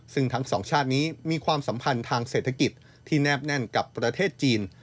ซึ่งทั้งสองชาตินี้มีความสัมพันธ์ทางเศรษฐกิจที่แนบแน่นกับประเทศจีน